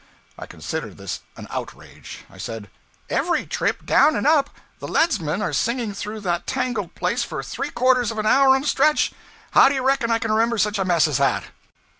I considered this an outrage. I said 'Every trip, down and up, the leadsmen are singing through that tangled place for three quarters of an hour on a stretch. How do you reckon I can remember such a mess as that?'